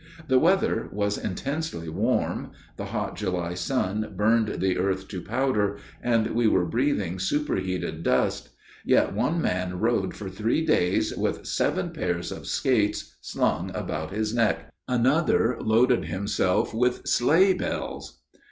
The weather was intensely warm, the hot July sun burned the earth to powder, and we were breathing superheated dust, yet one man rode for three days with seven pairs of skates slung about his neck; another loaded himself with sleigh bells.